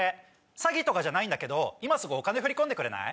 詐欺とかじゃないんだけど今すぐお金振り込んでくれない？